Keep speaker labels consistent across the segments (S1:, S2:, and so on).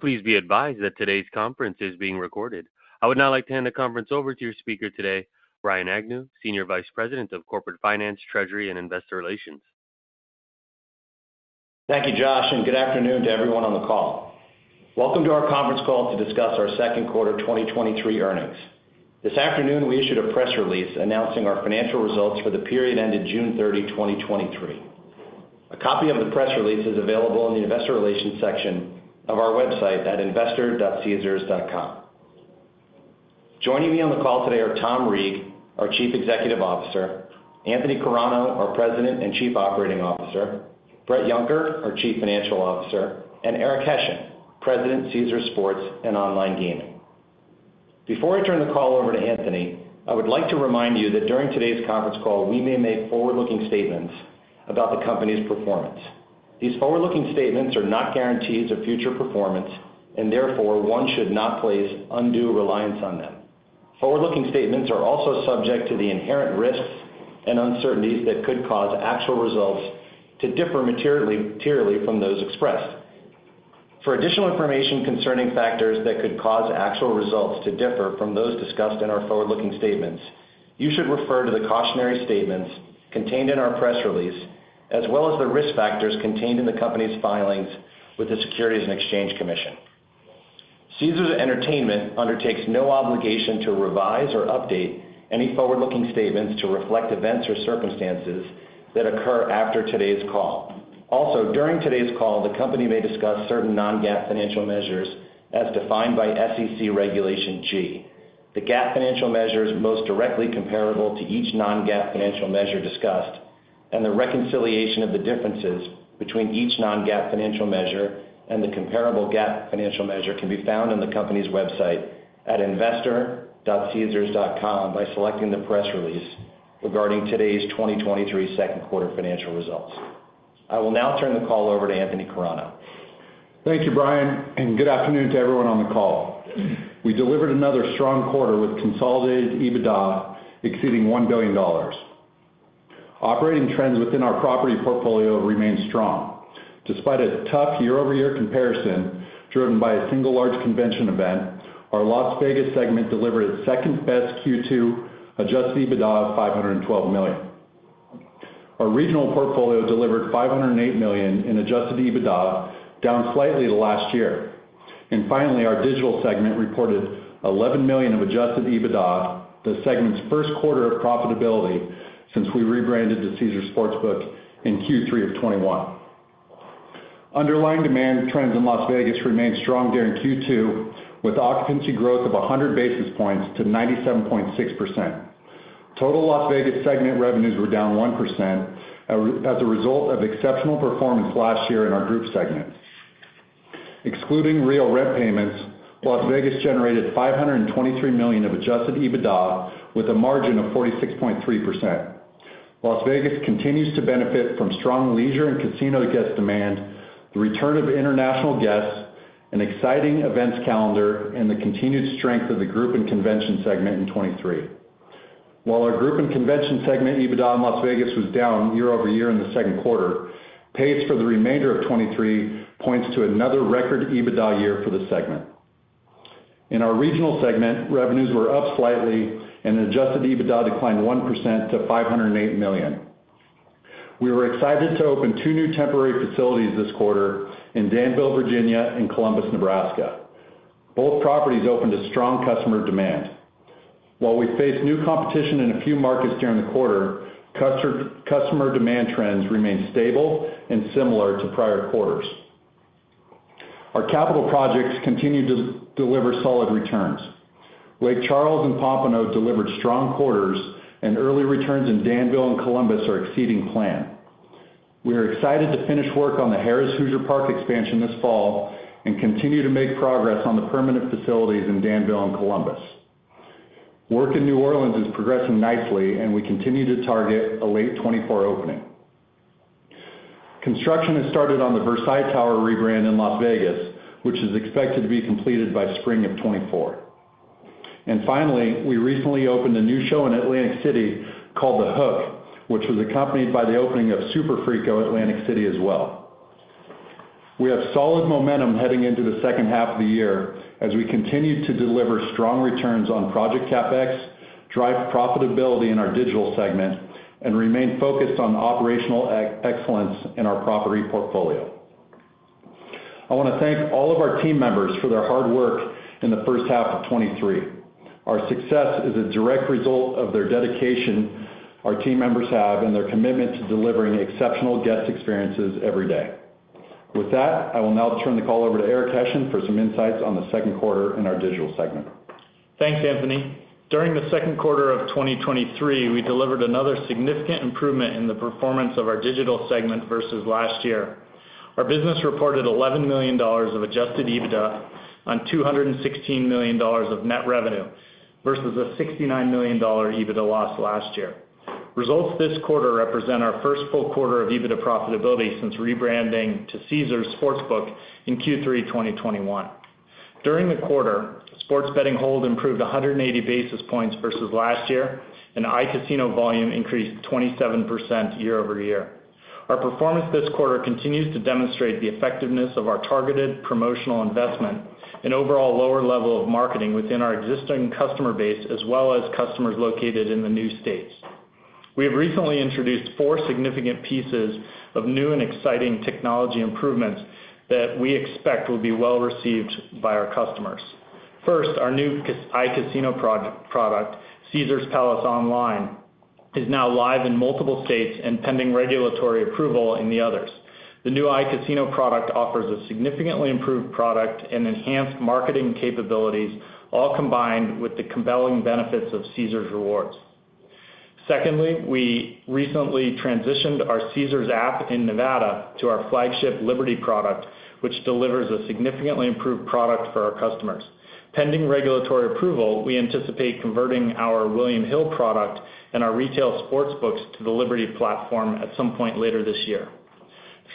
S1: Please be advised that today's conference is being recorded. I would now like to hand the conference over to your speaker today, Brian Agnew, Senior Vice President of Corporate Finance, Treasury, and Investor Relations.
S2: Thank you, Josh. Good afternoon to everyone on the call. Welcome to our conference call to discuss our second quarter 2023 earnings. This afternoon, we issued a press release announcing our financial results for the period ended June 30, 2023. A copy of the press release is available in the Investor Relations section of our website at investor.caesars.com. Joining me on the call today are Tom Reeg, our Chief Executive Officer; Anthony Carano, our President and Chief Operating Officer; Bret Yunker, our Chief Financial Officer; and Eric Hession, President, Caesars Sports and Online Gaming. Before I turn the call over to Anthony, I would like to remind you that during today's conference call, we may make forward-looking statements about the company's performance. These forward-looking statements are not guarantees of future performance, and therefore, one should not place undue reliance on them. Forward-looking statements are also subject to the inherent risks and uncertainties that could cause actual results to differ materially, materially from those expressed. For additional information concerning factors that could cause actual results to differ from those discussed in our forward-looking statements, you should refer to the cautionary statements contained in our press release, as well as the risk factors contained in the company's filings with the Securities and Exchange Commission. Caesars Entertainment undertakes no obligation to revise or update any forward-looking statements to reflect events or circumstances that occur after today's call. During today's call, the company may discuss certain non-GAAP financial measures as defined by SEC Regulation G. The GAAP financial measure is most directly comparable to each non-GAAP financial measure discussed, and the reconciliation of the differences between each non-GAAP financial measure and the comparable GAAP financial measure can be found on the company's website at investor.caesars.com by selecting the press release regarding today's 2023 second quarter financial results. I will now turn the call over to Anthony Carano.
S3: Thank you, Brian, and good afternoon to everyone on the call. We delivered another strong quarter with consolidated EBITDA exceeding $1 billion. Operating trends within our property portfolio remain strong. Despite a tough year-over-year comparison, driven by a single large convention event, our Las Vegas segment delivered its second-best Q2 Adjusted EBITDA of $512 million. Our regional portfolio delivered $508 million in Adjusted EBITDA, down slightly last year. Finally, our digital segment reported $11 million of Adjusted EBITDA, the segment's first quarter of profitability since we rebranded the Caesars Sportsbook in Q3 of 2021. Underlying demand trends in Las Vegas remained strong during Q2, with occupancy growth of 100 basis points to 97.6%. Total Las Vegas segment revenues were down 1%, as a result of exceptional performance last year in our group segment. Excluding real rent payments, Las Vegas generated $523 million of Adjusted EBITDA, with a margin of 46.3%. Las Vegas continues to benefit from strong leisure and casino guest demand, the return of international guests, an exciting events calendar, and the continued strength of the group and convention segment in 2023. While our group and convention segment EBITDA in Las Vegas was down year-over-year in the second quarter, pace for the remainder of 2023 points to another record EBITDA year for the segment. In our regional segment, revenues were up slightly and Adjusted EBITDA declined 1% to $508 million. We were excited to open two new temporary facilities this quarter in Danville, Virginia, and Columbus, Nebraska. Both properties opened to strong customer demand. While we face new competition in a few markets during the quarter, customer demand trends remained stable and similar to prior quarters. Our capital projects continued to deliver solid returns. Lake Charles and Pompano delivered strong quarters. Early returns in Danville and Columbus are exceeding plan. We are excited to finish work on the Harrah's Hoosier Park expansion this fall and continue to make progress on the permanent facilities in Danville and Columbus. Work in New Orleans is progressing nicely, and we continue to target a late 2024 opening. Construction has started on the Versailles Tower rebrand in Las Vegas, which is expected to be completed by spring of 2024. Finally, we recently opened a new show in Atlantic City called The Hook, which was accompanied by the opening of Superfrico Atlantic City as well. We have solid momentum heading into the second half of the year as we continue to deliver strong returns on project CapEx, drive profitability in our digital segment, and remain focused on operational excellence in our property portfolio. I want to thank all of our team members for their hard work in the first half of 2023. Our success is a direct result of their dedication our team members have and their commitment to delivering exceptional guest experiences every day. With that, I will now turn the call over to Eric Hession for some insights on the second quarter in our digital segment.
S4: Thanks, Anthony. During the second quarter of 2023, we delivered another significant improvement in the performance of our digital segment versus last year. Our business reported $11 million of Adjusted EBITDA on $216 million of net revenue versus a $69 million EBITDA loss last year. Results this quarter represent our first full quarter of EBITDA profitability since rebranding to Caesars Sportsbook in Q3 2021. During the quarter, sports betting hold improved 180 basis points versus last year, and iCasino volume increased 27% year-over-year. Our performance this quarter continues to demonstrate the effectiveness of our targeted promotional investment and overall lower level of marketing within our existing customer base, as well as customers located in the new states. We have recently introduced four significant pieces of new and exciting technology improvements that we expect will be well received by our customers. First, our new iCasino product, Caesars Palace Online, is now live in multiple states and pending regulatory approval in the others. The new iCasino product offers a significantly improved product and enhanced marketing capabilities, all combined with the compelling benefits of Caesars Rewards. Secondly, we recently transitioned our Caesars app in Nevada to our flagship Liberty product, which delivers a significantly improved product for our customers. Pending regulatory approval, we anticipate converting our William Hill product and our retail Sportsbooks to the Liberty platform at some point later this year.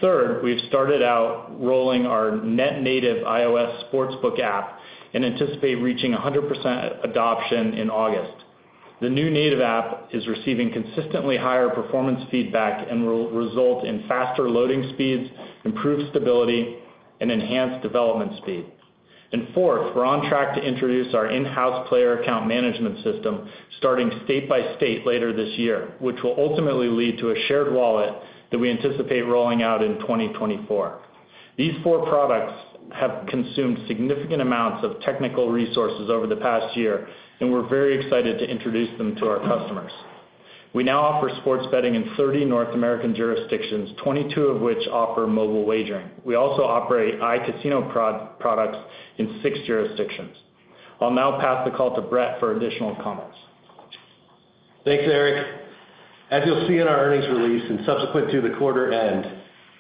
S4: Third, we've started out rolling our net-native iOS Sportsbook app and anticipate reaching 100% adoption in August. The new native app is receiving consistently higher performance feedback and will result in faster loading speeds, improved stability, and enhanced development speed. Fourth, we're on track to introduce our in-house player account management system starting state by state later this year, which will ultimately lead to a shared wallet that we anticipate rolling out in 2024. These four products have consumed significant amounts of technical resources over the past year, and we're very excited to introduce them to our customers. We now offer sports betting in 30 North American jurisdictions, 22 of which offer mobile wagering. We also operate iCasino products in six jurisdictions. I'll now pass the call to Bret for additional comments.
S5: Thanks, Eric. As you'll see in our earnings release and subsequent to the quarter end,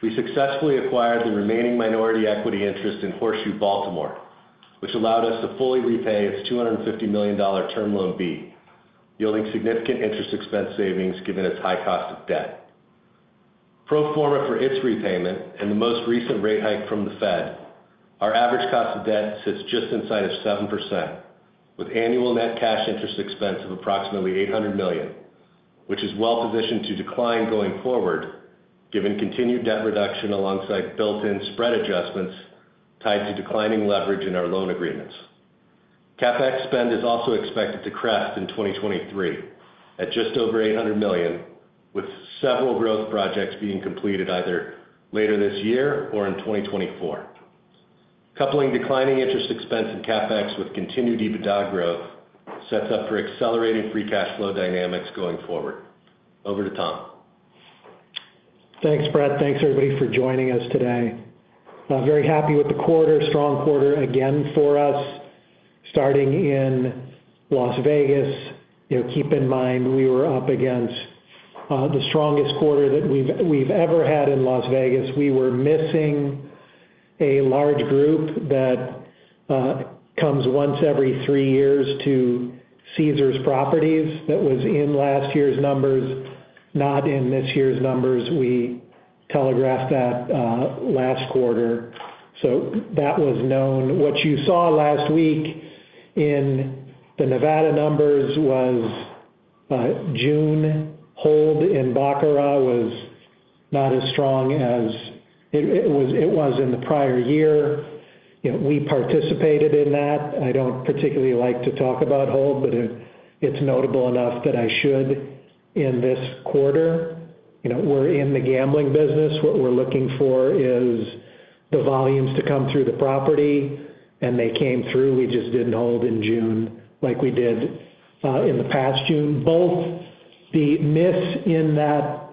S5: we successfully acquired the remaining minority equity interest in Horseshoe Baltimore, which allowed us to fully repay its $250 million Term Loan B, yielding significant interest expense savings given its high cost of debt. Pro forma for its repayment and the most recent rate hike from the Fed, our average cost of debt sits just inside of 7%, with annual net cash interest expense of approximately $800 million, which is well positioned to decline going forward, given continued debt reduction alongside built-in spread adjustments tied to declining leverage in our loan agreements. CapEx spend is also expected to crest in 2023 at just over $800 million, with several growth projects being completed either later this year or in 2024. Coupling declining interest expense in CapEx with continued EBITDA growth sets up for accelerating free cash flow dynamics going forward. Over to Tom.
S6: Thanks, Brett. Thanks, everybody, for joining us today. I'm very happy with the quarter. Strong quarter again for us, starting in Las Vegas. You know, keep in mind, we were up against the strongest quarter that we've, we've ever had in Las Vegas. We were missing a large group that comes once every three years to Caesars properties. That was in last year's numbers, not in this year's numbers. We telegraphed that last quarter, so that was known. What you saw last week in the Nevada numbers was June hold in baccarat was not as strong as it, it was, it was in the prior year. You know, we participated in that. I don't particularly like to talk about hold, but it, it's notable enough that I should in this quarter. You know, we're in the gambling business. What we're looking for is the volumes to come through the property, and they came through. We just didn't hold in June like we did in the past June. Both the miss in that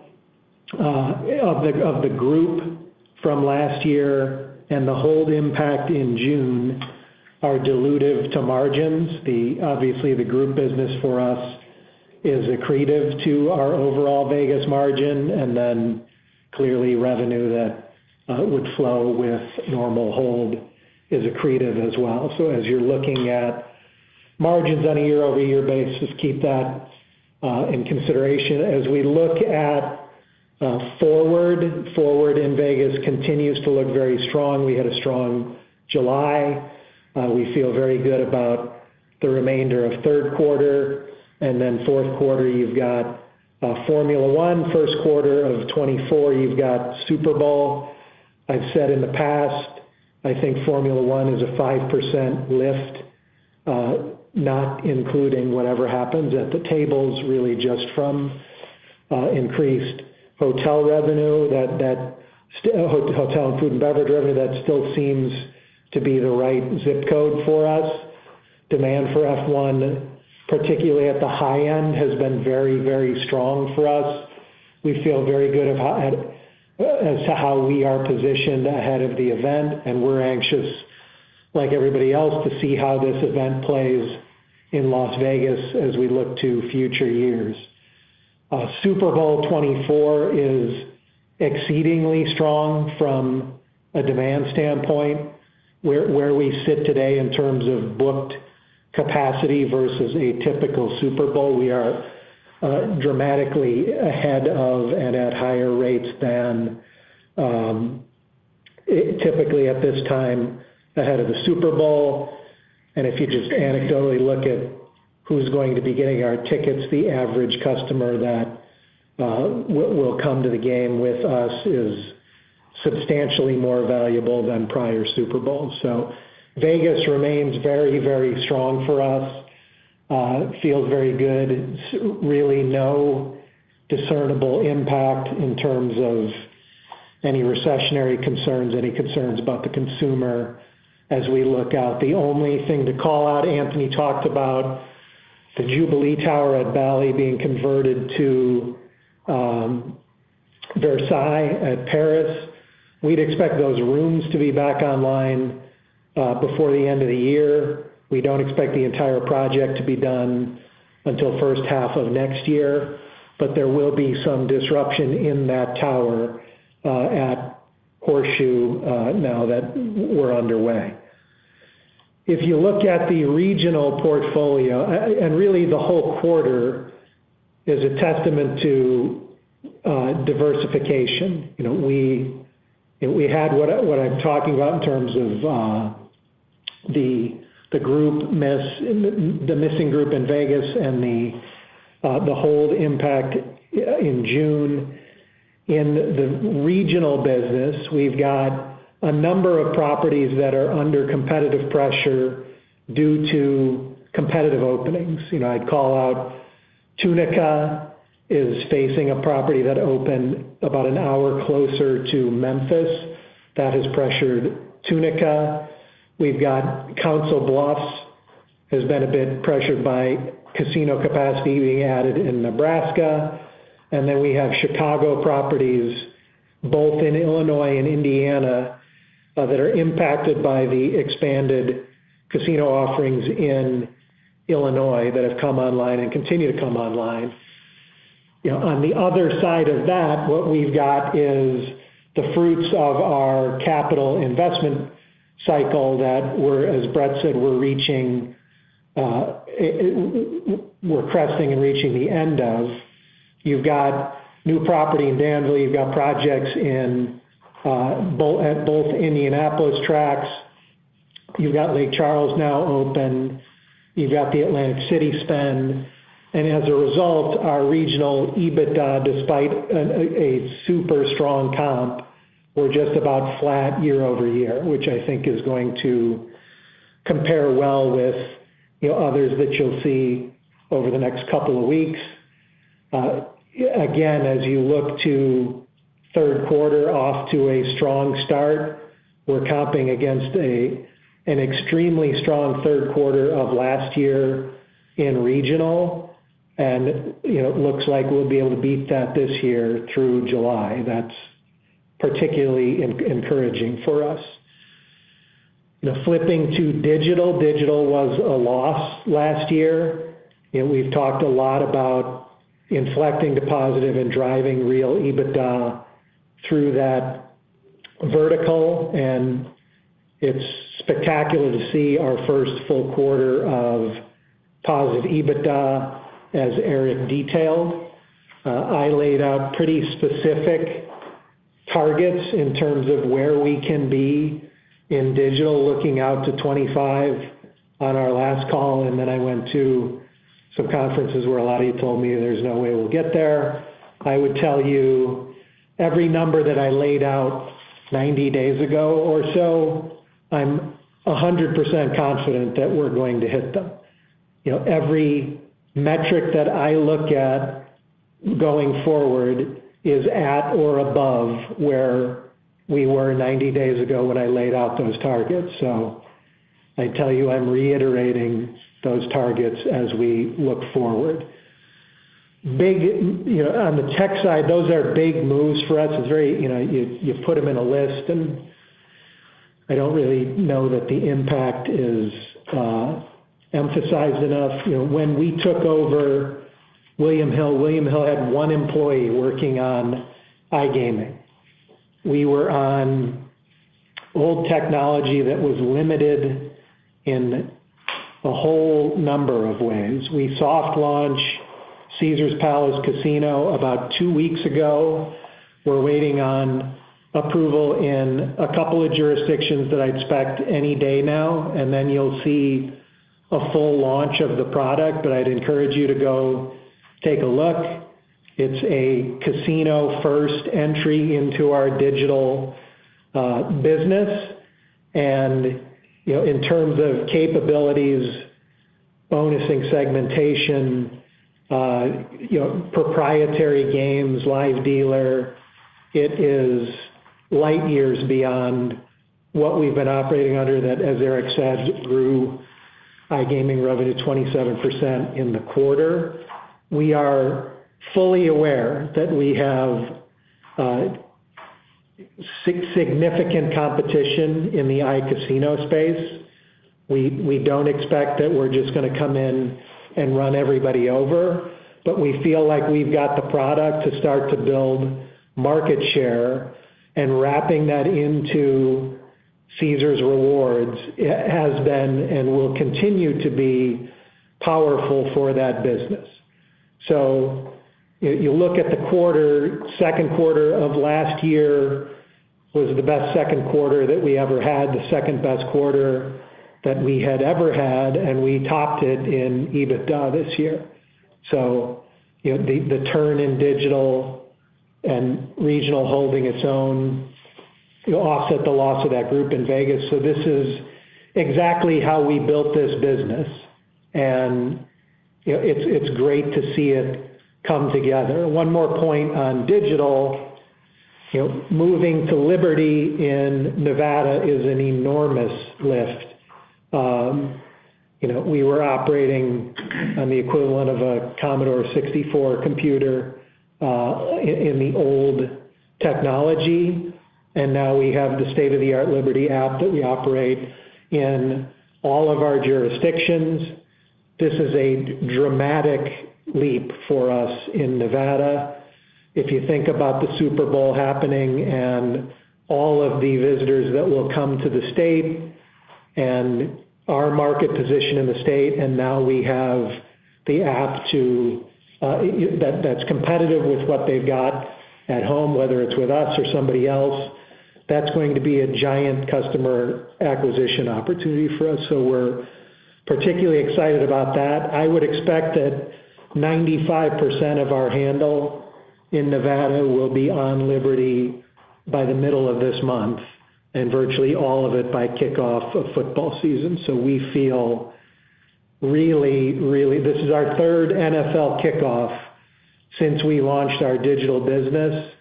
S6: of the, of the group from last year and the hold impact in June are dilutive to margins. The obviously, the group business for us is accretive to our overall Vegas margin, and then clearly revenue that would flow with normal hold is accretive as well. So as you're looking at margins on a year-over-year basis, keep that in consideration. As we look at forward, forward in Vegas continues to look very strong. We had a strong July. We feel very good about the remainder of third quarter, and then fourth quarter, you've got Formula One, first quarter of 2024, you've got Super Bowl. I've said in the past, I think Formula One is a 5% lift, not including whatever happens at the tables, really just from increased hotel revenue, that hotel and food and beverage revenue, that still seems to be the right zip code for us. Demand for F1, particularly at the high end, has been very, very strong for us. We feel very good as to how we are positioned ahead of the event, and we're anxious, like everybody else, to see how this event plays in Las Vegas as we look to future years. Super Bowl 24 is exceedingly strong from a demand standpoint. Where we sit today in terms of booked capacity versus a typical Super Bowl. We are dramatically ahead of and at higher rates than typically at this time, ahead of the Super Bowl. If you just anecdotally look at who's going to be getting our tickets, the average customer that will, will come to the game with us is substantially more valuable than prior Super Bowls. Vegas remains very, very strong for us. It feels very good. Really no discernible impact in terms of any recessionary concerns, any concerns about the consumer as we look out. The only thing to call out, Anthony talked about the Jubilee Tower at Bally being converted to Versailles at Paris. We'd expect those rooms to be back online before the end of the year. We don't expect the entire project to be done until first half of next year, but there will be some disruption in that tower at Horseshoe now that we're underway. If you look at the regional portfolio, really, the whole quarter is a testament to diversification. You know, we had what I, what I'm talking about in terms of the, the group miss, the missing group in Vegas and the, the hold impact in June. In the regional business, we've got a number of properties that are under competitive pressure due to competitive openings. You know, I'd call out Tunica is facing a property that opened about an hour closer to Memphis. That has pressured Tunica. We've got Council Bluffs, has been a bit pressured by casino capacity being added in Nebraska. Then we have Chicago properties, both in Illinois and Indiana, that are impacted by the expanded casino offerings in Illinois that have come online and continue to come online. You know, on the other side of that, what we've got is the fruits of our capital investment cycle that we're, as Bret said, we're reaching, we're cresting and reaching the end of. You've got new property in Danville, you've got projects in, both Indianapolis tracks. You've got Lake Charles now open, you've got the Atlantic City spend, as a result, our regional EBITDA, despite an, a super strong comp, we're just about flat year-over-year, which I think is going to compare well with, you know, others that you'll see over the next couple of weeks. Again, as you look to third quarter, off to a strong start, we're comping against a, an extremely strong third quarter of last year in regional, and, you know, it looks like we'll be able to beat that this year through July. That's particularly encouraging for us. Now, flipping to digital, digital was a loss last year. You know, we've talked a lot about inflecting to positive and driving real EBITDA through that vertical, and it's spectacular to see our first full quarter of positive EBITDA, as Eric detailed. I laid out pretty specific targets in terms of where we can be in digital, looking out to 25 on our last call, and then I went to some conferences where a lot of you told me there's no way we'll get there. I would tell you, every number that I laid out 90 days ago or so, I'm 100% confident that we're going to hit them. You know, every metric that I look at going forward is at or above where we were 90 days ago when I laid out those targets. I tell you, I'm reiterating those targets as we look forward. Big, you know, on the tech side, those are big moves for us. It's very, you know, you put them in a list, and I don't really know that the impact is emphasized enough. You know, when we took over William Hill, William Hill had one employee working on iGaming. We were on old technology that was limited in a whole number of ways. We soft launched Caesars Palace Casino about two weeks ago. We're waiting on approval in a couple of jurisdictions that I expect any day now, and then you'll see a full launch of the product, but I'd encourage you to go take a look. It's a casino-first entry into our digital business. You know, in terms of capabilities, bonusing, segmentation, you know, proprietary games, live dealer, it is light years beyond what we've been operating under, that, as Eric said, grew iGaming revenue 27% in the quarter. We are fully aware that we have significant competition in the iCasino space. We, we don't expect that we're just going to come in and run everybody over, but we feel like we've got the product to start to build market share, and wrapping that into Caesars Rewards has been, and will continue to be, powerful for that business. You, you look at the quarter, second quarter of last year was the best second quarter that we ever had, the second-best quarter that we had ever had, and we topped it in EBITDA this year. You know, the, the turn in digital and regional holding its own offset the loss of that group in Las Vegas. This is exactly how we built this business, and, you know, it's, it's great to see it come together. One more point on digital, you know, moving to Liberty in Nevada is an enormous lift. You know, we were operating on the equivalent of a Commodore 64 computer in the old technology, and now we have the state-of-the-art Liberty app that we operate in all of our jurisdictions. This is a dramatic leap for us in Nevada. If you think about the Super Bowl happening and all of the visitors that will come to the state and our market position in the state, now we have the app to, that, that's competitive with what they've got at home, whether it's with us or somebody else, that's going to be a giant customer acquisition opportunity for us, so we're particularly excited about that. I would expect that 95% of our handle in Nevada will be on Liberty by the middle of this month, and virtually all of it by kickoff of football season. We feel really, really, this is our third NFL kickoff since we launched our digital business.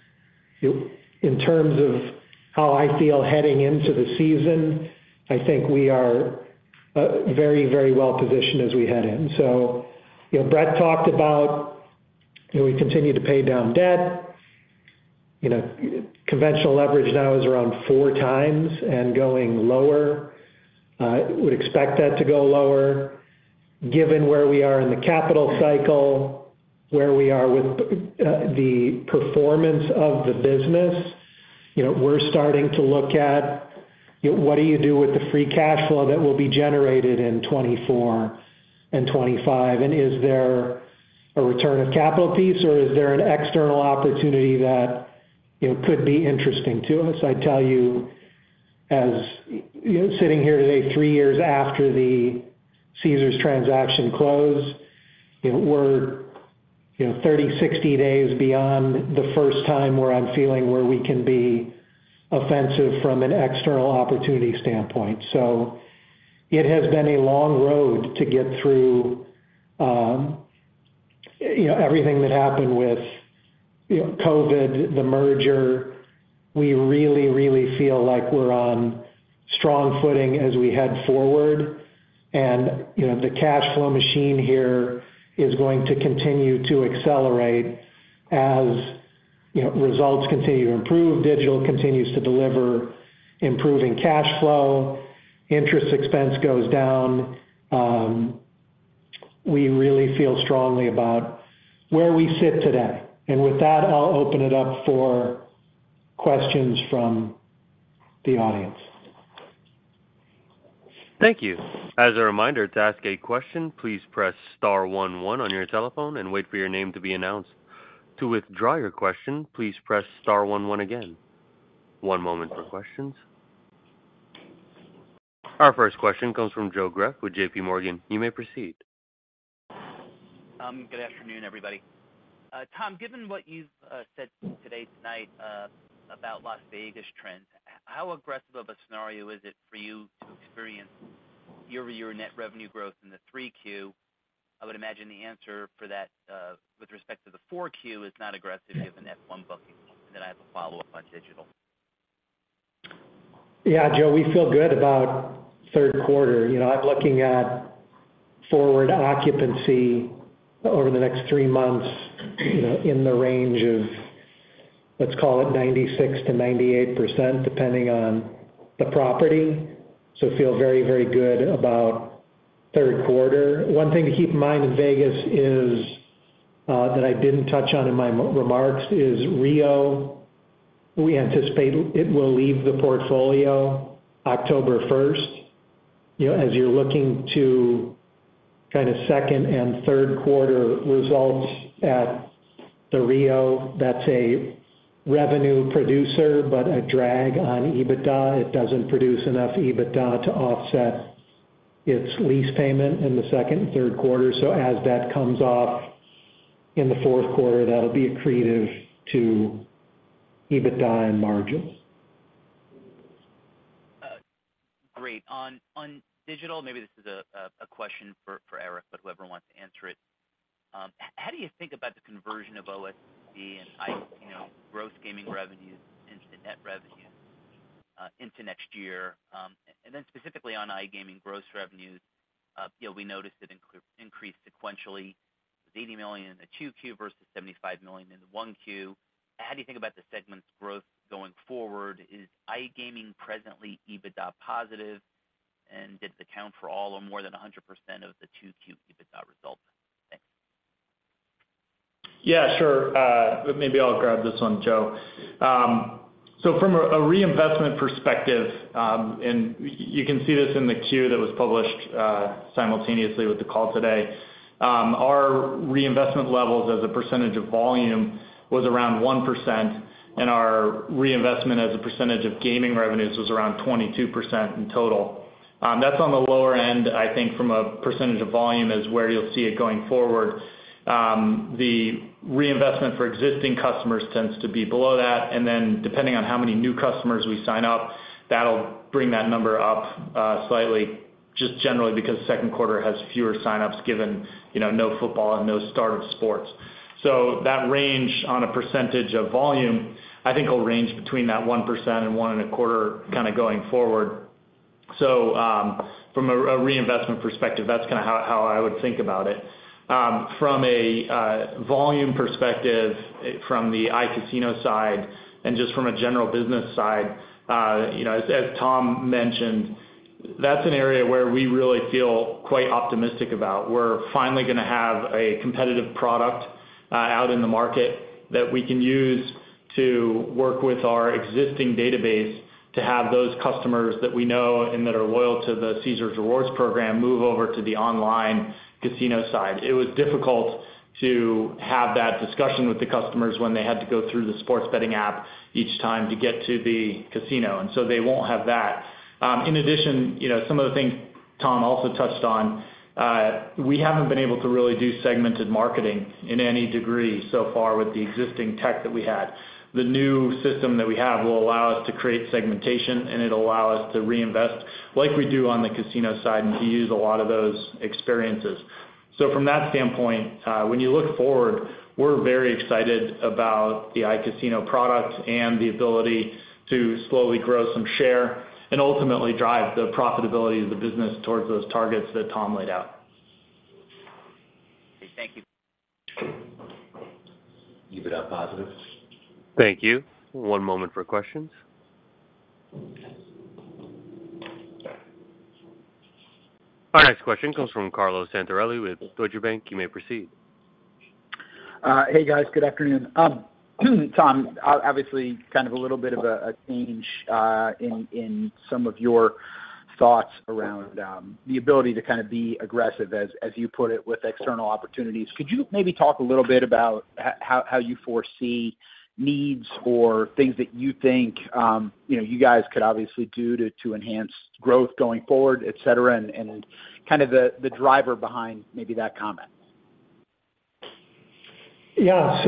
S6: In terms of how I feel heading into the season, I think we are very, very well positioned as we head in. You know, Bret talked about, you know, we continue to pay down debt. You know, conventional leverage now is around 4x and going lower. Would expect that to go lower. Given where we are in the capital cycle, where we are with the performance of the business, you know, we're starting to look at, you know, what do you do with the free cash flow that will be generated in 2024 and 2025, and is there a return of capital piece, or is there an external opportunity that, you know, could be interesting to us? I'd tell you, as, you know, sitting here today, three years after the Caesars transaction closed, you know, we're, you know, 30, 60 days beyond the first time where I'm feeling where we can be offensive from an external opportunity standpoint. It has been a long road to get through, you know, everything that happened with, you know, COVID, the merger. We really, really feel like we're on strong footing as we head forward. You know, the cash flow machine here is going to continue to accelerate as, you know, results continue to improve, digital continues to deliver, improving cash flow, interest expense goes down. We really feel strongly about where we sit today. With that, I'll open it up for questions from the audience.
S1: Thank you. As a reminder, to ask a question, please press star one one on your telephone and wait for your name to be announced. To withdraw your question, please press star one one again. One moment for questions. Our first question comes from Joseph Greff with JPMorgan. You may proceed.
S7: Good afternoon, everybody. Tom, given what you've said today, tonight, about Las Vegas trends, how aggressive of a scenario is it for you to experience year-over-year net revenue growth in the 3Q? I would imagine the answer for that, with respect to the 4Q is not aggressive, given that one booking. Then I have a follow-up on digital.
S6: Yeah, Joe, we feel good about third quarter. You know, I'm looking at forward occupancy over the next three months, you know, in the range of, let's call it, 96%-98%, depending on the property. Feel very, very good about third quarter. One thing to keep in mind in Vegas is that I didn't touch on in my remarks, is Rio, we anticipate it will leave the portfolio October 1st. You know, as you're looking to kind of second and third quarter results at the Rio, that's a revenue producer, but a drag on EBITDA. It doesn't produce enough EBITDA to offset its lease payment in the second and third quarter. As that comes off in the fourth quarter, that'll be accretive to EBITDA and margins.
S7: Great. On, on digital, maybe this is a, a, a question for, for Eric, but whoever wants to answer it. How do you think about the conversion of OSB and i, you know, gross gaming revenues into net revenue, into next year? And then specifically on iGaming gross revenues, you know, we noticed it increased sequentially, with $80 million in the 2Q versus $75 million in 1Q. How do you think about the segment's growth going forward? Is iGaming presently EBITDA positive, and did it account for all or more than 100% of the 2Q EBITDA results? Thanks.
S4: Yeah, sure. Maybe I'll grab this one, Joe. So from a reinvestment perspective, and you can see this in the Q that was published simultaneously with the call today. Our reinvestment levels as a percentage of volume was around 1%, and our reinvestment as a percentage of gaming revenues was around 22% in total. That's on the lower end, I think, from a percentage of volume, is where you'll see it going forward. The reinvestment for existing customers tends to be below that, and then depending on how many new customers we sign up, that'll bring that number up slightly, just generally because second quarter has fewer signups, given, you know, no football and no start of sports. That range on a percentage of volume, I think, will range between that 1% and 1.25% kind of going forward. From a reinvestment perspective, that's kind of how I would think about it. From a volume perspective, from the iCasino side and just from a general business side, you know, as Tom mentioned, that's an area where we really feel quite optimistic about. We're finally gonna have a competitive product out in the market that we can use to work with our existing database, to have those customers that we know and that are loyal to the Caesars Rewards program move over to the online casino side. It was difficult to have that discussion with the customers when they had to go through the sports betting app each time to get to the casino, and so they won't have that. In addition, you know, some of the things Tom also touched on, we haven't been able to really do segmented marketing in any degree so far with the existing tech that we had. The new system that we have will allow us to create segmentation, and it'll allow us to reinvest like we do on the casino side and to use a lot of those experiences. From that standpoint, when you look forward, we're very excited about the iCasino product and the ability to slowly grow some share, and ultimately drive the profitability of the business towards those targets that Tom laid out.
S7: Thank you.
S1: Keep it up, positive. Thank you. One moment for questions. Our next question comes from Carlo Santarelli with Deutsche Bank. You may proceed.
S8: Hey, guys. Good afternoon. Tom, obviously, kind of a little bit of a change in some of your thoughts around the ability to kind of be aggressive, as you put it, with external opportunities. Could you maybe talk a little bit about how you foresee needs or things that you think, you know, you guys could obviously do to enhance growth going forward, et cetera, and kind of the driver behind maybe that comment?
S6: Yeah.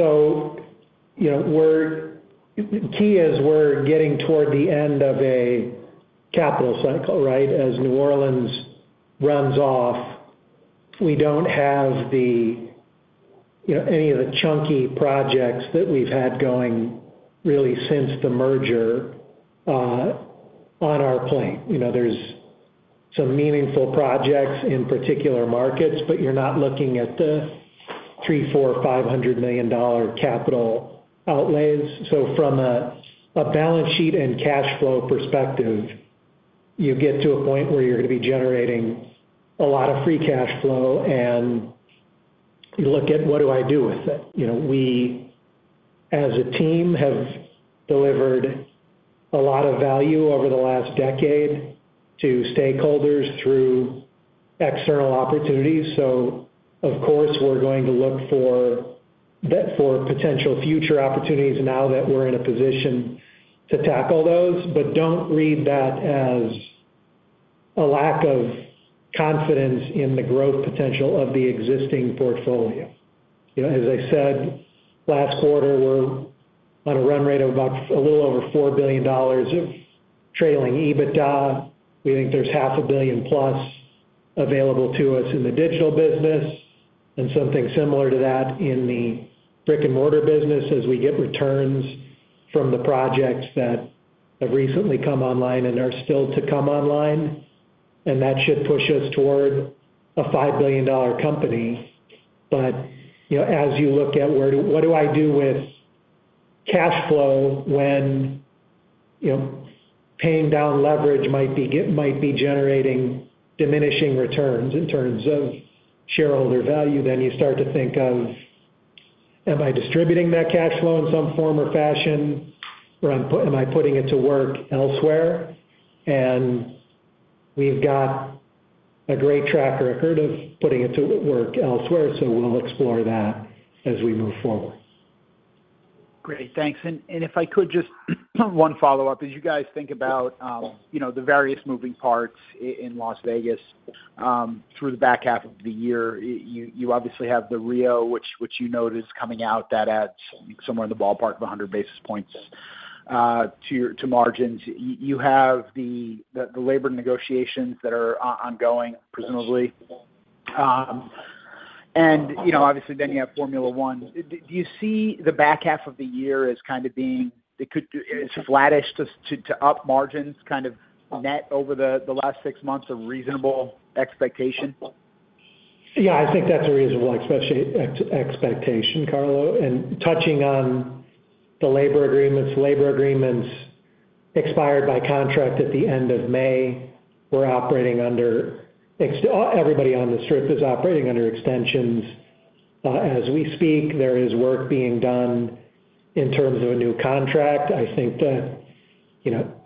S6: The key is we're getting toward the end of a capital cycle, right? As New Orleans runs off, we don't have the, you know, any of the chunky projects that we've had going really since the merger on our plate. You know, there's some meaningful projects in particular markets, but you're not looking at the $300 million, $400 million, $500 million capital outlays. From a balance sheet and cash flow perspective, you get to a point where you're going to be generating a lot of free cash flow, and you look at, what do I do with it? You know, we, as a team, have delivered a lot of value over the last decade to stakeholders through external opportunities, of course, we're going to look for that for potential future opportunities now that we're in a position to tackle those. Don't read that as a lack of confidence in the growth potential of the existing portfolio. You know, as I said, last quarter, we're on a run rate of about a little over $4 billion of trailing EBITDA. We think there's $500+ million available to us in the digital business, and something similar to that in the brick-and-mortar business, as we get returns from the projects that have recently come online and are still to come online, and that should push us toward a $5 billion company. You know, as you look at what do I do with cash flow when, you know, paying down leverage might be generating diminishing returns in terms of shareholder value, then you start to think of, am I distributing that cash flow in some form or fashion, or am I putting it to work elsewhere? We've got a great track record of putting it to work elsewhere, so we'll explore that as we move forward.
S8: Great, thanks. If I could, just one follow-up. As you guys think about, you know, the various moving parts in Las Vegas through the back half of the year, you, you obviously have the Rio, which, which you noted is coming out, that adds somewhere in the ballpark of 100 basis points to your, to margins. You have the, the, the labor negotiations that are ongoing, presumably. You know, obviously, then you have Formula One. Do you see the back half of the year as kind of being, it's flattish to, to, to up margins, kind of net over the, the last six months, a reasonable expectation?
S6: Yeah, I think that's a reasonable expectation, expectation, Carlo. Touching on the labor agreements, labor agreements, expired by contract at the end of May. We're operating under everybody on the Strip is operating under extensions. As we speak, there is work being done in terms of a new contract. I think that, you know,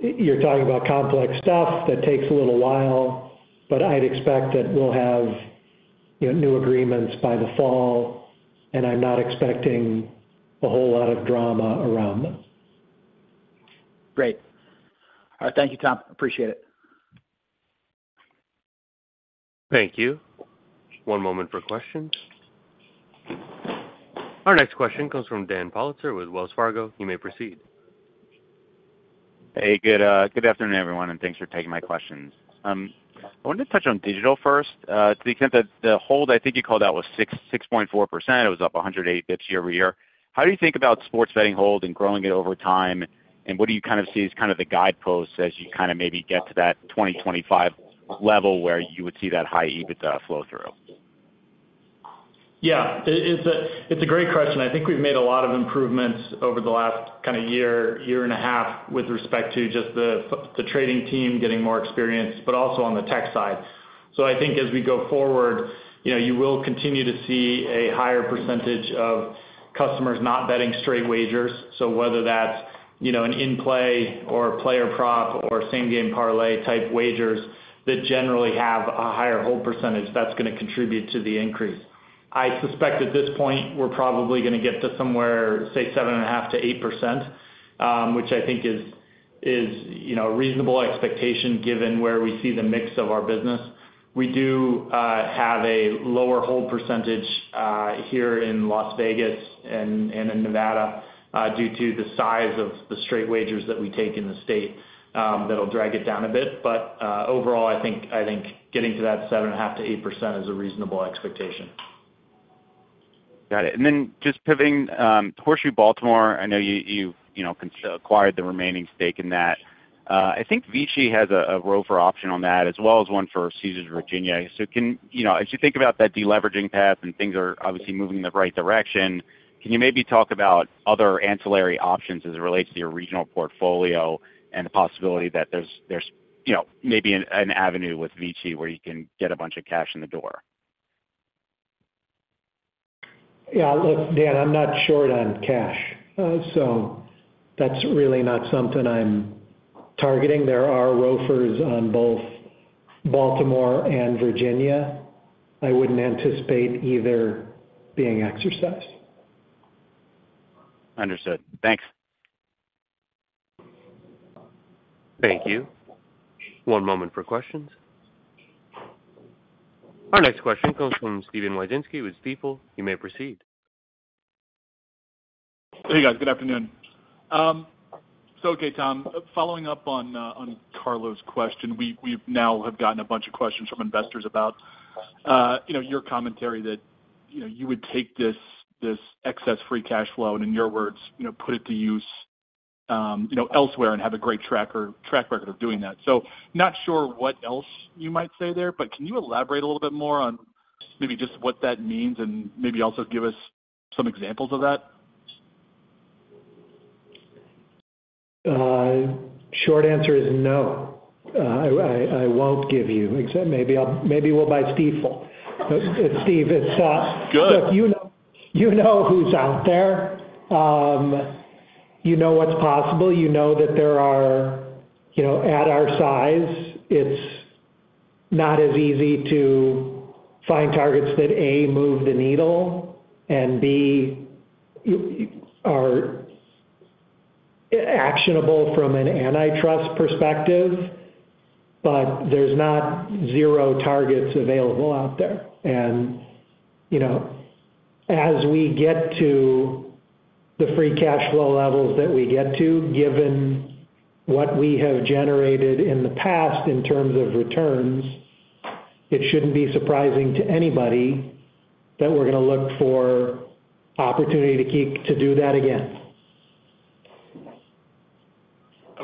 S6: you're talking about complex stuff that takes a little while, but I'd expect that we'll have, you know, new agreements by the fall, and I'm not expecting a whole lot of drama around them.
S8: Great. All right. Thank you, Tom. Appreciate it.
S1: Thank you. One moment for questions. Our next question comes from Dan Politzer with Wells Fargo. You may proceed.
S9: Hey, good afternoon, everyone, and thanks for taking my questions. I wanted to touch on digital first. To the extent that the hold, I think you called out, was 6.4%. It was up 108 basis points year-over-year. How do you think about sports betting hold and growing it over time? What do you kind of see as kind of the guideposts as you kind of maybe get to that 2025 level where you would see that high EBITDA flow through?
S4: It's a great question. I think we've made a lot of improvements over the last kind of year, year and a half, with respect to just the trading team getting more experienced, but also on the tech side. I think as we go forward, you know, you will continue to see a higher % of customers not betting straight wagers. Whether that's, you know, an in-play or a player prop or same-game parlay-type wagers that generally have a higher hold %, that's gonna contribute to the increase. I suspect at this point, we're probably gonna get to somewhere, say, 7.5%-8%, which I think is, you know, a reasonable expectation given where we see the mix of our business. We do have a lower hold percentage here in Las Vegas and, and in Nevada, due to the size of the straight wagers that we take in the state, that'll drag it down a bit. Overall, I think, I think getting to that 7.5%-8% is a reasonable expectation.
S9: Got it. Then just pivoting, Horseshoe Baltimore, I know you, you know, acquired the remaining stake in that. I think Vici has a ROFR option on that, as well as one for Caesars Virginia. As you think about that deleveraging path, and things are obviously moving in the right direction, can you maybe talk about other ancillary options as it relates to your regional portfolio and the possibility that there's, you know, maybe an avenue with Vici where you can get a bunch of cash in the door?
S6: Yeah. Look, Dan, I'm not short on cash, that's really not something I'm targeting. There are ROFRs on both Baltimore and Virginia. I wouldn't anticipate either being exercised.
S9: Understood. Thanks.
S1: Thank you. One moment for questions. Our next question comes from Steven Wieczynski with Stifel. You may proceed.
S10: Hey, guys. Good afternoon. Okay, Tom, following up on Carlo's question, we, we now have gotten a bunch of questions from investors about, you know, your commentary that, you know, you would take this, this excess free cash flow, and in your words, you know, put it to use, elsewhere and have a great track record of doing that. Not sure what else you might say there, but can you elaborate a little bit more on maybe just what that means, and maybe also give us some examples of that?
S6: Short answer is no. I, I, I won't give you, except maybe I'll-- maybe we'll buy Stifel. Steve, it's-
S10: Good.
S6: You know, you know who's out there. You know what's possible. You know that there are, you know, at our size, it's not as easy to find targets that, A, move the needle and, B, are actionable from an antitrust perspective, but there's not zero targets available out there. You know, as we get to the free cash flow levels that we get to, given what we have generated in the past in terms of returns, it shouldn't be surprising to anybody that we're gonna look for opportunity to do that again.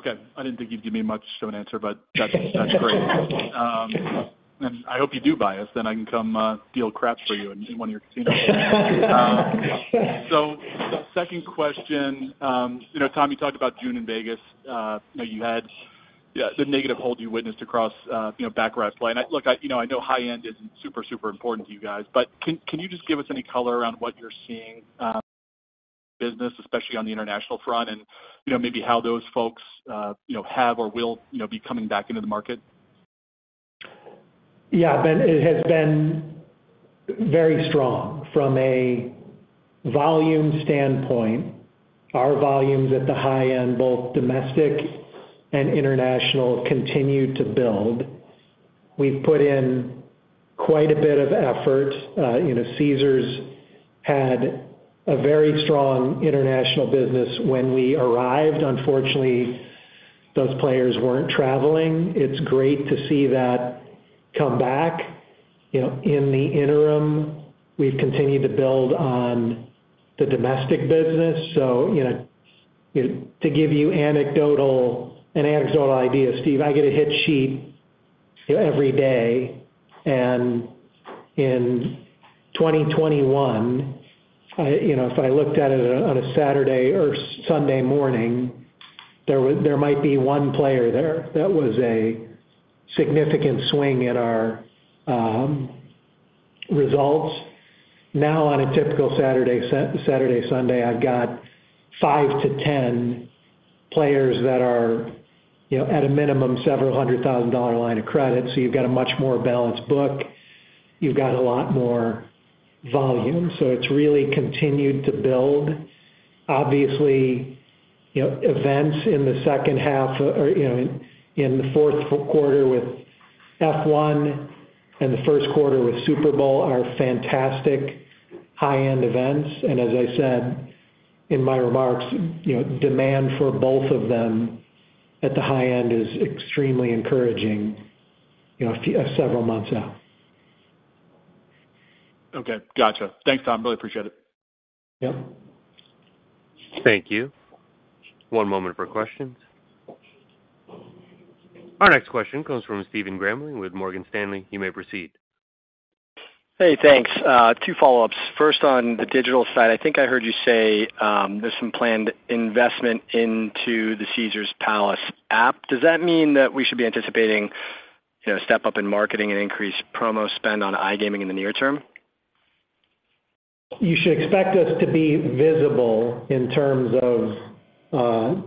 S10: Okay. I didn't think you'd give me much of an answer, but that's, that's great. I hope you do buy us, then I can come deal craps for you in one of your casinos. The second question, you know, Tom, you talked about June in Vegas. You know, you had the negative hold you witnessed across, you know, baccarat play. I-- look, I, you know, I know high-end isn't super, super important to you guys, but can, can you just give us any color around what you're seeing, business, especially on the international front, and, you know, maybe how those folks, you know, have or will, you know, be coming back into the market?
S6: Yeah, Ben, it has been very strong. From a volume standpoint, our volumes at the high end, both domestic and international, continue to build. We've put in quite a bit of effort. You know, Caesars had a very strong international business when we arrived. Unfortunately, those players weren't traveling. It's great to see that come back. You know, in the interim, we've continued to build on the domestic business. You know, to give you an anecdotal idea, Steve, I get a hit sheet every day, and in 2021, I, you know, if I looked at it on a Saturday or Sunday morning, there might be one player there. That was a significant swing at our results. On a typical Saturday, Saturday, Sunday, I've got five to 10 players that are, you know, at a minimum, several hundred thousand dollar line of credit, so you've got a much more balanced book. You've got a lot more volume, so it's really continued to build. Obviously, you know, events in the second half or, you know, in, in the fourth quarter with F1 and the first quarter with Super Bowl are fantastic high-end events. As I said in my remarks, you know, demand for both of them at the high end is extremely encouraging, you know, several months out.
S10: Okay, gotcha. Thanks, Tom. Really appreciate it.
S6: Yeah.
S1: Thank you. One moment for questions. Our next question comes from Stephen Grambling with Morgan Stanley. You may proceed.
S11: Hey, thanks. Two follow-ups. First, on the digital side, I think I heard you say, there's some planned investment into the Caesars Palace app. Does that mean that we should be anticipating, you know, a step up in marketing and increased promo spend on iGaming in the near term?
S6: You should expect us to be visible in terms of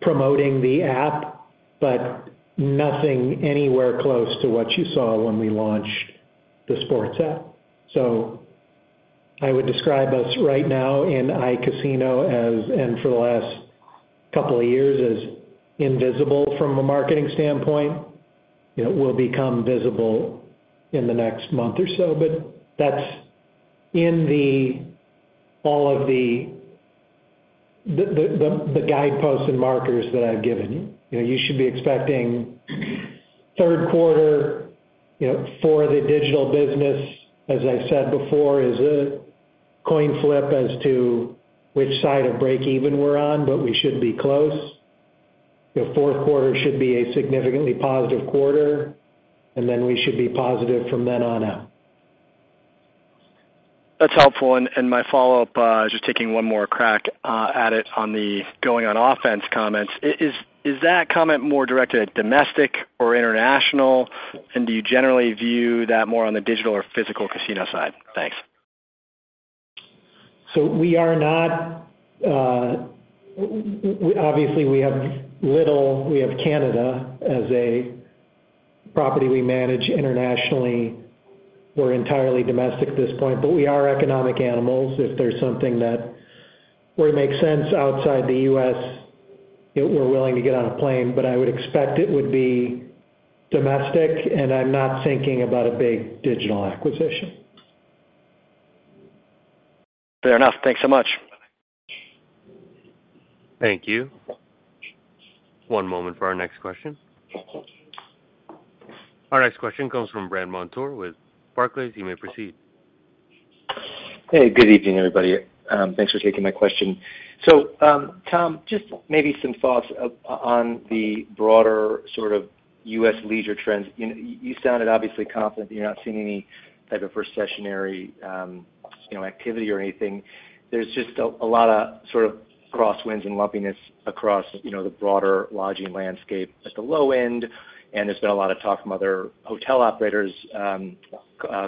S6: promoting the app, but nothing anywhere close to what you saw when we launched the sports app. I would describe us right now in iCasino as, and for the last couple of years, as invisible from a marketing standpoint. It will become visible in the next month or so, but that's in all of the guideposts and markers that I've given you. You know, you should be expecting third quarter, you know, for the digital business, as I said before, is a coin flip as to which side of breakeven we're on, but we should be close. The fourth quarter should be a significantly positive quarter. Then we should be positive from then on out.
S11: That's helpful, and, and my follow-up, is just taking one more crack, at it on the going on offense comments. Is, is that comment more directed at domestic or international, and do you generally view that more on the digital or physical casino side? Thanks.
S6: We are not, obviously, we have Canada as a property we manage internationally. We're entirely domestic at this point, but we are economic animals. If there's something that were to make sense outside the U.S., we're willing to get on a plane, but I would expect it would be domestic, and I'm not thinking about a big digital acquisition.
S11: Fair enough. Thanks so much.
S1: Thank you. One moment for our next question. Our next question comes from Brandt Montour with Barclays. You may proceed.
S12: Hey, good evening, everybody. Thanks for taking my question. Tom, just maybe some thoughts on the broader sort of U.S. leisure trends. You, you sounded obviously confident that you're not seeing any type of recessionary, you know, activity or anything. There's just a, a lot of sort of crosswinds and lumpiness across, you know, the broader lodging landscape at the low end, and there's been a lot of talk from other hotel operators,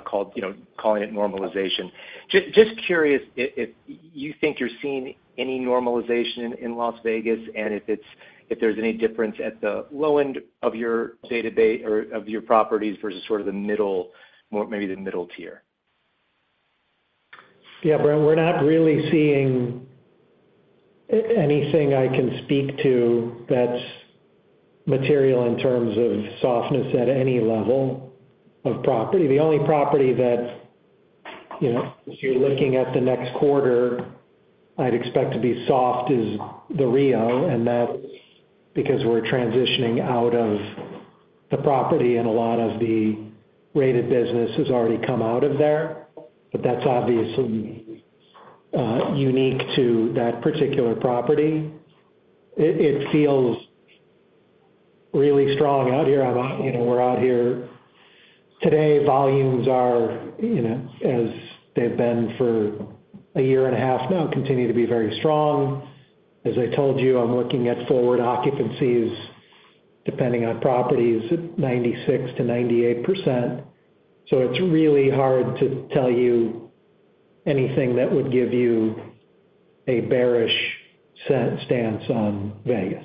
S12: called, you know, calling it normalization. Just curious if you think you're seeing any normalization in Las Vegas, and if there's any difference at the low end of your database or of your properties versus sort of the middle, more maybe the middle tier.
S6: Yeah, Brent, we're not really seeing anything I can speak to that's material in terms of softness at any level of property. The only property that, you know, if you're looking at the next quarter, I'd expect to be soft is the Rio, and that's because we're transitioning out of the property, and a lot of the rated business has already come out of there. That's obviously unique to that particular property. It, it feels really strong out here. I'm out, you know, we're out here today. Volumes are, you know, as they've been for a year and a half now, continue to be very strong. As I told you, I'm looking at forward occupancies, depending on properties, at 96%-98%, so it's really hard to tell you anything that would give you a bearish stance on Vegas.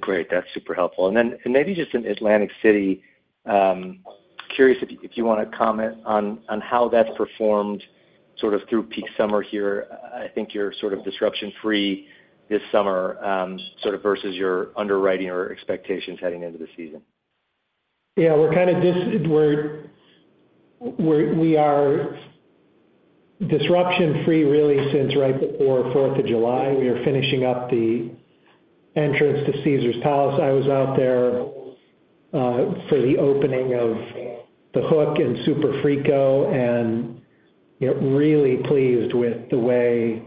S12: Great, that's super helpful. Maybe just in Atlantic City, curious if you, if you want to comment on, on how that's performed sort of through peak summer here. I think you're sort of disruption-free this summer, sort of versus your underwriting or expectations heading into the season.
S6: Yeah, we are disruption-free really since right before July 4th. We are finishing up the entrance to Caesars Palace. I was out there for the opening of The Hook and Superfrico, and, you know, really pleased with the way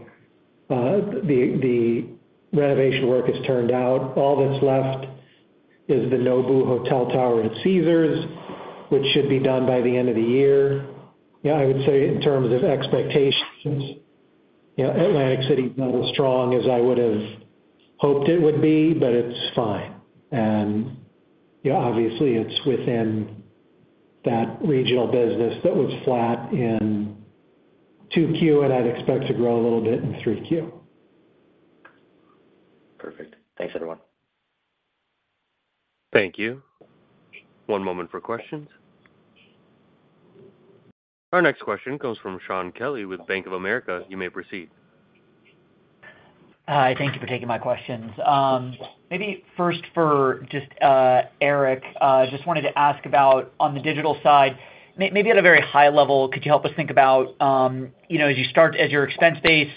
S6: the renovation work has turned out. All that's left is the Nobu Hotel tower at Caesars, which should be done by the end of the year. Yeah, I would say in terms of expectations, you know, Atlantic City is not as strong as I would've hoped it would be, but it's fine. Yeah, obviously, it's within that regional business that was flat in 2Q, and I'd expect to grow a little bit in 3Q.
S12: Perfect. Thanks, everyone.
S1: Thank you. One moment for questions. Our next question comes from Shaun Kelley with Bank of America. You may proceed.
S13: Hi, thank you for taking my questions. Maybe first for just Eric, just wanted to ask about on the digital side, maybe at a very high level, could you help us think about, you know, as your expense base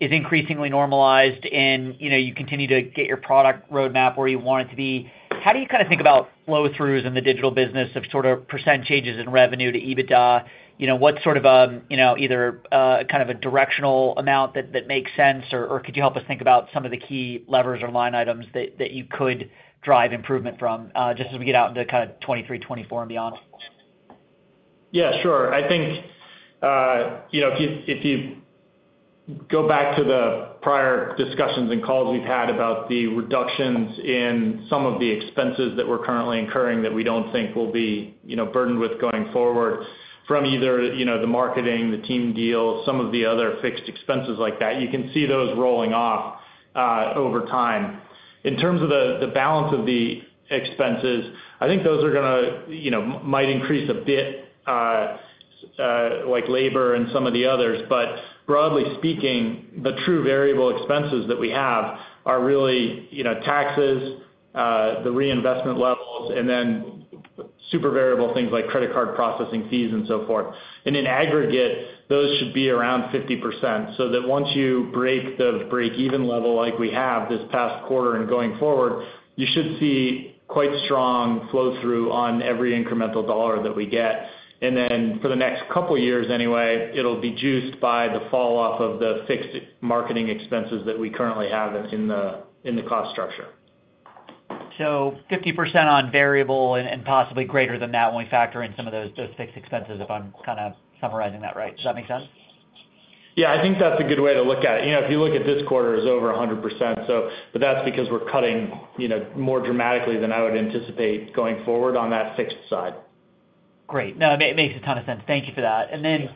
S13: is increasingly normalized and, you know, you continue to get your product roadmap where you want it to be, how do you kind of think about flow-throughs in the digital business of sort of perccent changes in revenue to EBITDA? You know, what sort of, you know, either, kind of a directional amount that, that makes sense, or, or could you help us think about some of the key levers or line items that, that you could drive improvement from, just as we get out into kind of 2023, 2024, and beyond?
S4: Yeah, sure. I think, you know, if you, if you go back to the prior discussions and calls we've had about the reductions in some of the expenses that we're currently incurring, that we don't think will be, you know, burdened with going forward from either, you know, the marketing, the team deals, some of the other fixed expenses like that, you can see those rolling off over time. In terms of the, the balance of the expenses, I think those are gonna, you know, might increase a bit, like labor and some of the others. Broadly speaking, the true variable expenses that we have are really, you know, taxes, the reinvestment levels, and then super variable things like credit card processing fees, and so forth. In aggregate, those should be around 50%, so that once you break the break-even level, like we have this past quarter and going forward, you should see quite strong flow-through on every incremental dollar that we get. Then for the next two years anyway, it'll be juiced by the falloff of the fixed marketing expenses that we currently have in the cost structure.
S13: 50% on variable and, and possibly greater than that when we factor in some of those, those fixed expenses, if I'm kind of summarizing that right. Does that make sense?
S4: Yeah, I think that's a good way to look at it. You know, if you look at this quarter, it's over 100%. That's because we're cutting, you know, more dramatically than I would anticipate going forward on that fixed side.
S13: Great. No, it, it makes a ton of sense. Thank you for that.
S4: Yeah.
S13: Then,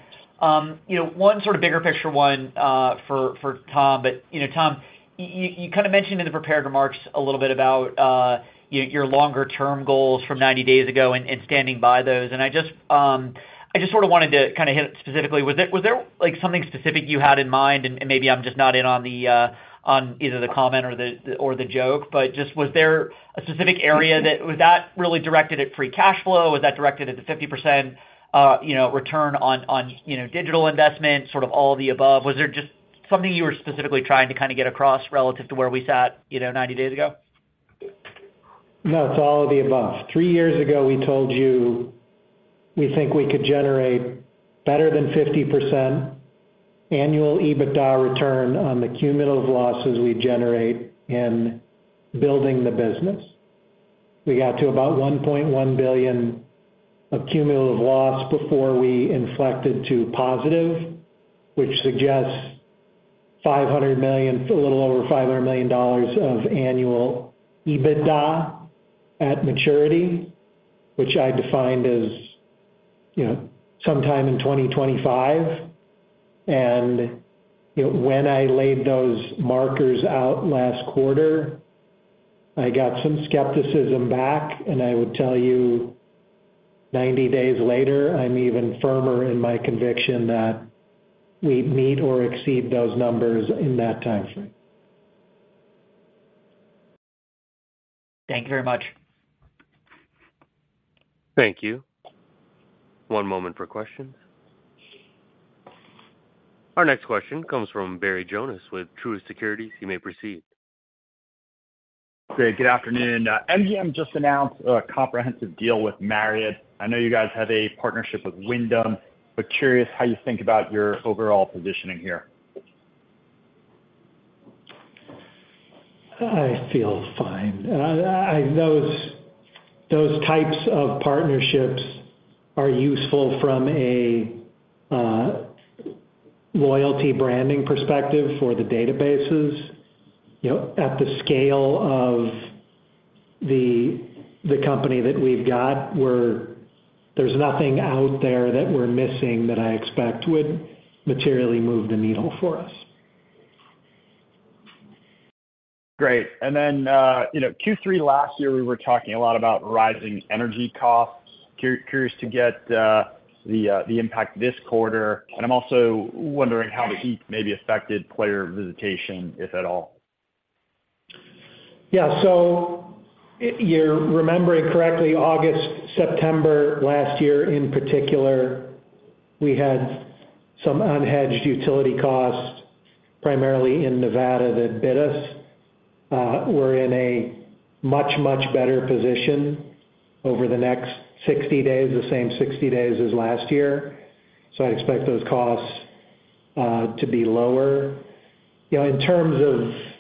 S13: you know, one sort of bigger picture one, for, for Tom, but, you know, Tom, you, you kind of mentioned in the prepared remarks a little bit about, your longer-term goals from 90 days ago and, and standing by those. I just, I just sort of wanted to kind of hit it specifically. Was there, like, something specific you had in mind, and, and maybe I'm just not in on the, on either the comment or the, or the joke? Just was there a specific area was that really directed at free cash flow? Was that directed at the 50%, you know, return on, you know, digital investment, sort of all of the above? Was there just something you were specifically trying to kind of get across relative to where we sat, you know, 90 days ago?
S6: No, it's all of the above. Three years ago, we told you we think we could generate better than 50% annual EBITDA return on the cumulative losses we generate in building the business. We got to about $1.1 billion of cumulative loss before we inflected to positive, which suggests $500 million, a little over $500 million of annual EBITDA at maturity, which I defined as, you know, sometime in 2025. You know, when I laid those markers out last quarter, I got some skepticism back, and I would tell you, 90 days later, I'm even firmer in my conviction that we'd meet or exceed those numbers in that time frame.
S13: Thank you very much.
S1: Thank you. One moment for questions. Our next question comes from Barry Jonas with Truist Securities. You may proceed.
S14: Great. Good afternoon. MGM just announced a comprehensive deal with Marriott. I know you guys have a partnership with Wyndham. Curious how you think about your overall positioning here.
S6: I feel fine. Those, those types of partnerships are useful from a loyalty branding perspective for the databases. You know, at the scale of the company that we've got, there's nothing out there that we're missing that I expect would materially move the needle for us.
S14: Great. Then, you know, Q3 last year, we were talking a lot about rising energy costs. Curious to get the impact this quarter, and I'm also wondering how the heat maybe affected player visitation, if at all.
S6: Yeah. You're remembering correctly, August, September last year, in particular, we had some unhedged utility costs, primarily in Nevada that bid us, we're in a much, much better position over the next 60 days, the same 60 days as last year. I expect those costs to be lower. You know, in terms of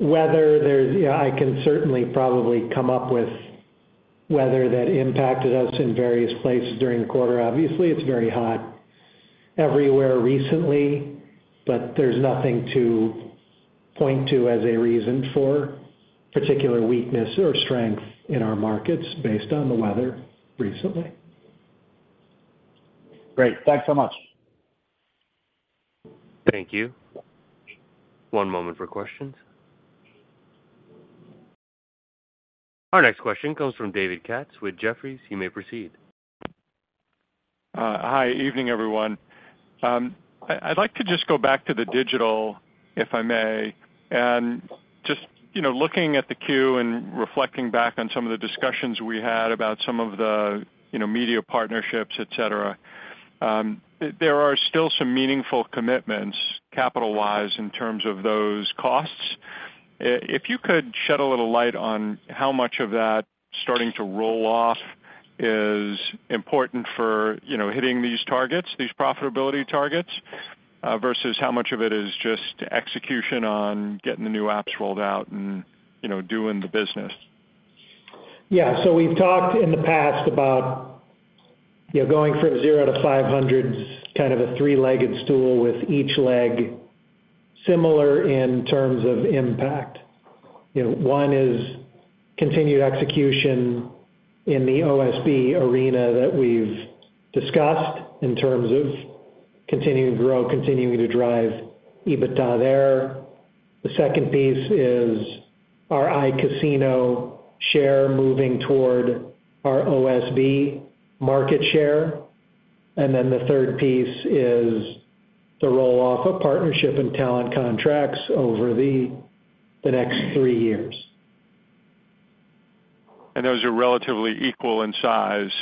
S6: weather, there's I can certainly probably come up with weather that impacted us in various places during the quarter. Obviously, it's very hot everywhere recently, but there's nothing to point to as a reason for particular weakness or strength in our markets based on the weather recently.
S14: Great, thanks so much.
S1: Thank you. One moment for questions. Our next question comes from David Katz with Jefferies. You may proceed.
S15: Hi, evening, everyone. I, I'd like to just go back to the digital, if I may, and just, you know, looking at the Q and reflecting back on some of the discussions we had about some of the, you know, media partnerships, et cetera, there are still some meaningful commitments, capital-wise, in terms of those costs. If you could shed a little light on how much of that starting to roll off is important for, you know, hitting these targets, these profitability targets, versus how much of it is just execution on getting the new apps rolled out and, you know, doing the business.
S6: Yeah, we've talked in the past about, you know, going from zero to 500, kind of a three-legged stool with each leg similar in terms of impact. You know, one is continued execution in the OSB arena that we've discussed in terms of continuing to grow, continuing to drive EBITDA there. The second piece is our iCasino share moving toward our OSB market share. Then the third piece is the roll-off of partnership and talent contracts over the next three years.
S15: Those are relatively equal in size?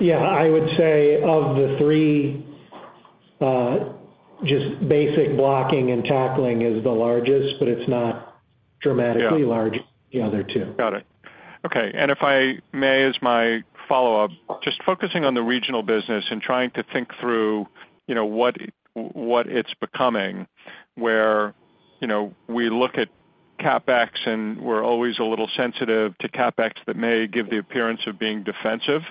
S6: Yeah, I would say of the three, just basic blocking and tackling is the largest, but it's not dramatically.
S15: Yeah.
S6: Large as the other two.
S15: Got it. Okay, and if I may, as my follow-up, just focusing on the regional business and trying to think through, you know, what, what it's becoming, where, you know, we look at CapEx, and we're always a little sensitive to CapEx that may give the appearance of being defensive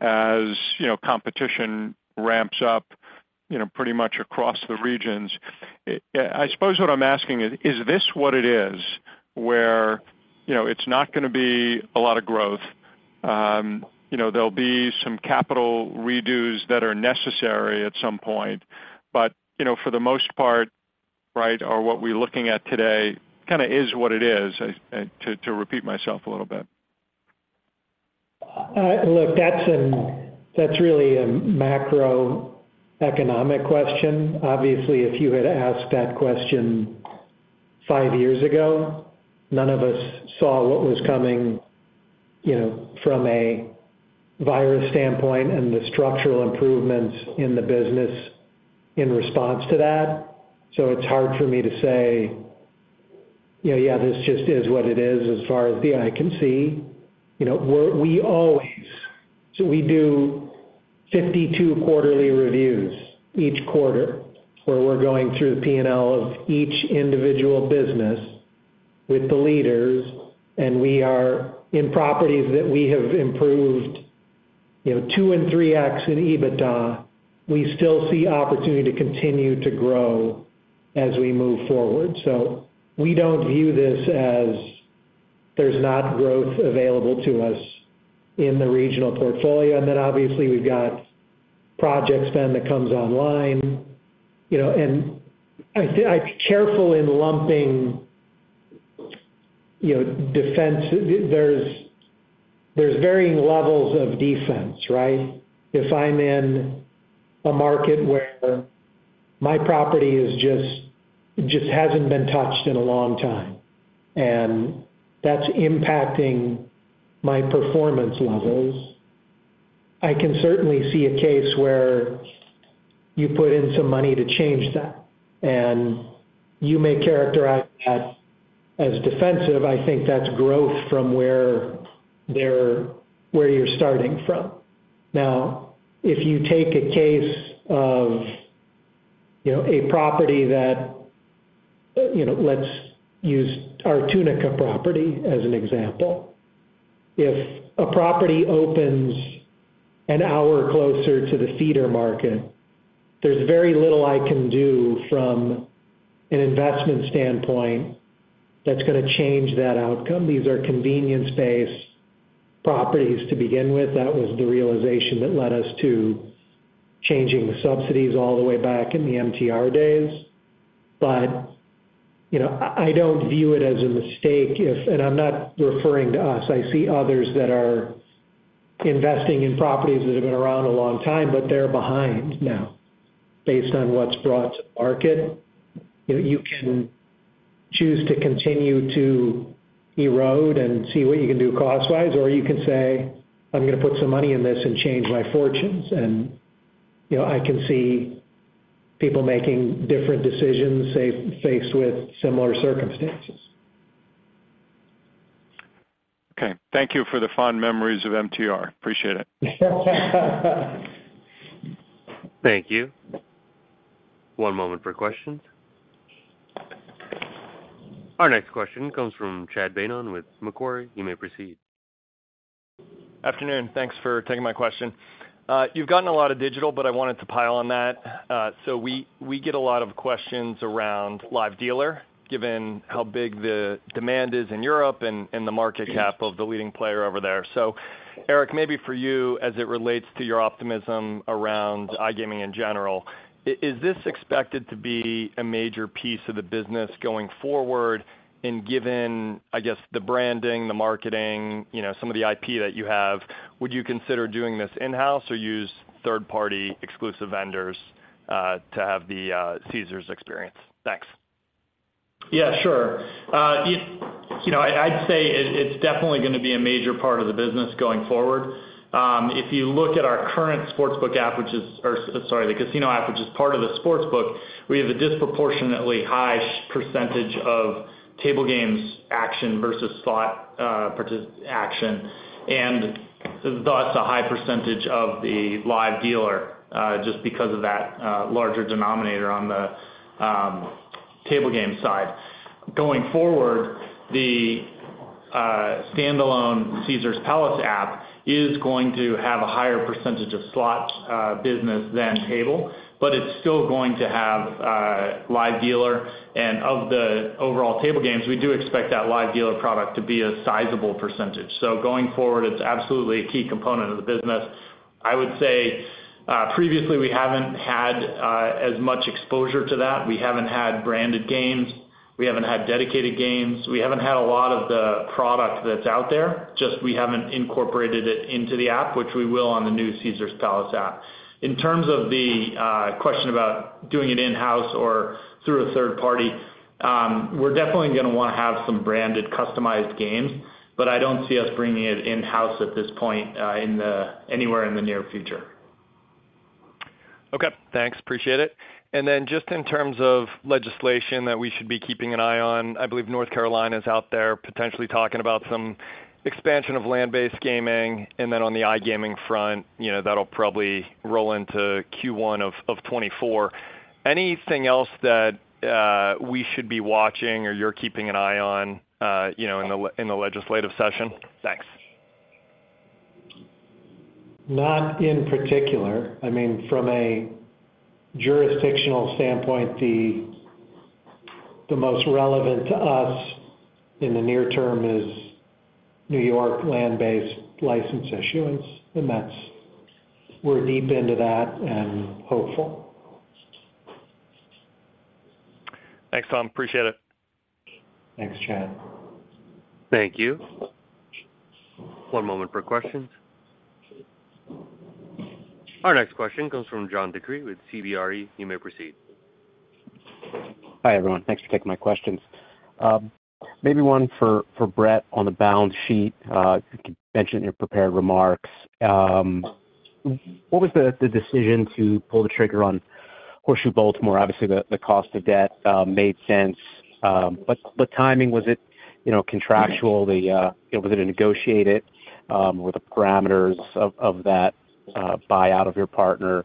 S15: as, you know, competition ramps up, you know, pretty much across the regions. I suppose what I'm asking is: Is this what it is, where, you know, it's not going to be a lot of growth? You know, there'll be some capital redos that are necessary at some point, but, you know, for the most part, right, or what we're looking at today kind of is what it is, to, to repeat myself a little bit.
S6: Look, that's really a macroeconomic question. Obviously, if you had asked that question five years ago, none of us saw what was coming, you know, from a virus standpoint and the structural improvements in the business in response to that. It's hard for me to say, you know, yeah, this just is what it is as far as the eye can see. You know, we always do 52 quarterly reviews each quarter, where we're going through the P&L of each individual business with the leaders, and we are in properties that we have improved, you know, 2 and 3x in EBITDA, we still see opportunity to continue to grow as we move forward. We don't view this as there's not growth available to us in the regional portfolio. Then obviously, we've got project spend that comes online, you know, and I'd be careful in lumping, you know, defense. There's, there's varying levels of defense, right? If I'm in a market where my property is just hasn't been touched in a long time, and that's impacting my performance levels, I can certainly see a case where you put in some money to change that, and you may characterize that as defensive. I think that's growth from where you're starting from. Now, if you take a case of, you know, a property that, you know, let's use our Tunica property as an example. If a property opens an hour closer to the feeder market, there's very little I can do from an investment standpoint that's going to change that outcome. These are convenience-based properties to begin with. That was the realization that led us to changing the subsidies all the way back in the MTR days. You know, I don't view it as a mistake if and I'm not referring to us. I see others that are investing in properties that have been around a long time, but they're behind now, based on what's brought to market. You know, you can choose to continue to erode and see what you can do cost-wise, or you can say, "I'm gonna put some money in this and change my fortunes." You know, I can see people making different decisions, say, faced with similar circumstances.
S15: Okay. Thank you for the fond memories of MTR. Appreciate it.
S1: Thank you. One moment for questions. Our next question comes from Chad Beynon with Macquarie. You may proceed.
S16: Afternoon. Thanks for taking my question. You've gotten a lot of digital, I wanted to pile on that. We, we get a lot of questions around live dealer, given how big the demand is in Europe and, and the market cap of the leading player over there. Eric, maybe for you, as it relates to your optimism around iGaming in general, is this expected to be a major piece of the business going forward? Given, I guess, the branding, the marketing, you know, some of the IP that you have, would you consider doing this in-house or use third-party exclusive vendors, to have the Caesars experience? Thanks.
S4: Yeah, sure. You know, I'd say it, it's definitely gonna be a major part of the business going forward. If you look at our current Sportsbook app, which is, or sorry, the casino app, which is part of the Sportsbook, we have a disproportionately high percentage of table games action versus slot action, and thus, a high percentage of the live dealer, just because of that, larger denominator on the table games side. Going forward, the standalone Caesars Palace app is going to have a higher percentage of slots business than table, but it's still going to have live dealer. Of the overall table games, we do expect that live dealer product to be a sizable percentage. Going forward, it's absolutely a key component of the business. I would say, previously, we haven't had as much exposure to that. We haven't had branded games. We haven't had dedicated games. We haven't had a lot of the product that's out there. Just we haven't incorporated it into the app, which we will on the new Caesars Palace app. In terms of the question about doing it in-house or through a third party, we're definitely gonna wanna have some branded, customized games, but I don't see us bringing it in-house at this point, anywhere in the near future.
S16: Okay, thanks. Appreciate it. Then just in terms of legislation that we should be keeping an eye on, I believe North Carolina is out there, potentially talking about some expansion of land-based gaming, and then on the iGaming front, you know, that'll probably roll into Q1 of 2024. Anything else that we should be watching or you're keeping an eye on, you know, in the legislative session? Thanks.
S6: Not in particular. I mean, from a jurisdictional standpoint, the most relevant to us in the near term is New York land-based license issuance, and that's, we're deep into that and hopeful.
S16: Thanks, Tom. Appreciate it.
S6: Thanks, Chad.
S1: Thank you. One moment for questions. Our next question comes from John DeCree with CBRE. You may proceed.
S17: Hi, everyone. Thanks for taking my questions. Maybe one for, for Bret Yunker on the balance sheet. You mentioned in your prepared remarks. What was the, the decision to pull the trigger on Horseshoe Baltimore? Obviously, the, the cost of debt made sense, but the timing, was it, you know, contractual? The, you know, was it a negotiated or the parameters of that buy out of your partner,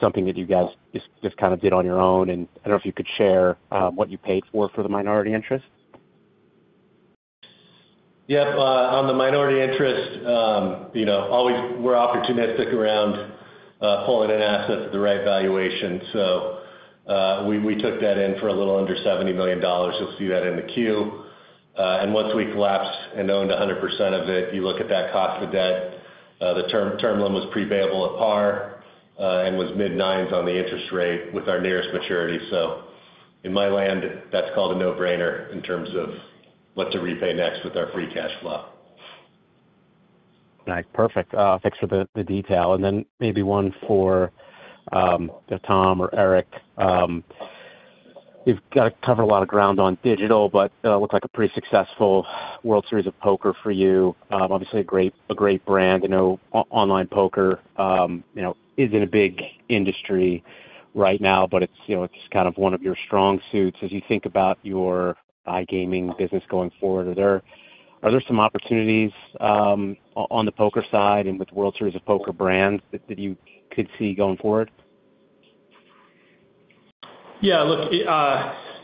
S17: something that you guys just, just kind of did on your own? I don't know if you could share what you paid for, for the minority interest.
S5: Yep. On the minority interest, you know, always we're opportunistic around pulling in assets at the right valuation. We, we took that in for a little under $70 million. You'll see that in the Q. And once we collapsed and owned 100% of it, you look at that cost of debt, the term, Term Loan was pre-payable at par, and was mid-9s on the interest rate with our nearest maturity. In my land, that's called a no-brainer in terms of what to repay next with our free cash flow.
S17: All right. Perfect. Thanks for the detail. Then maybe one for Tom or Eric. You've got to cover a lot of ground on digital, but it looks like a pretty successful World Series of Poker for you. Obviously a great, a great brand. I know online poker, you know, isn't a big industry right now, but it's, you know, it's kind of one of your strong suits. As you think about your iGaming business going forward, are there some opportunities on the poker side and with the World Series of Poker brands that you could see going forward?
S4: Yeah, look,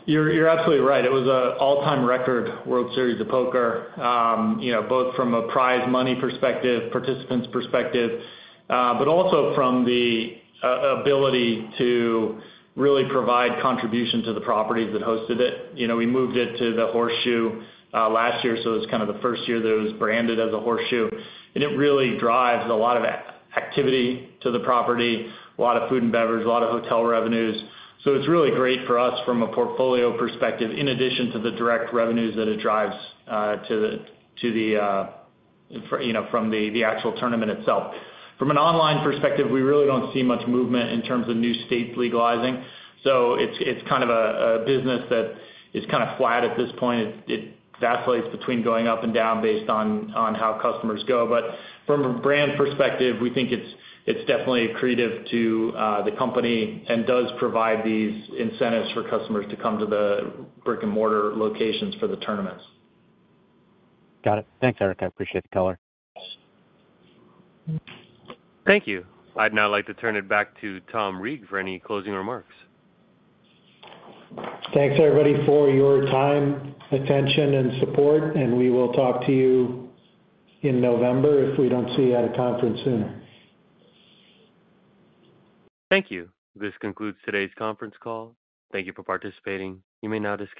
S4: you're, you're absolutely right. It was a all-time record World Series of Poker, you know, both from a prize money perspective, participants perspective, but also from the ability to really provide contribution to the properties that hosted it. You know, we moved it to the Horseshoe last year, so it's kind of the first year that it was branded as a Horseshoe, and it really drives a lot of activity to the property, a lot of food and beverage, a lot of hotel revenues. It's really great for us from a portfolio perspective, in addition to the direct revenues that it drives to the, to the, you know, from the, the actual tournament itself. From an online perspective, we really don't see much movement in terms of new states legalizing, so it's, it's kind of a business that is kind of flat at this point. It, it vacillates between going up and down based on, on how customers go. From a brand perspective, we think it's definitely accretive to the company and does provide these incentives for customers to come to the brick-and-mortar locations for the tournaments.
S17: Got it. Thanks, Eric. I appreciate the color.
S1: Thank you. I'd now like to turn it back to Tom Reeg for any closing remarks.
S6: Thanks, everybody, for your time, attention, and support, and we will talk to you in November if we don't see you at a conference sooner.
S1: Thank you. This concludes today's conference call. Thank you for participating. You may now disconnect.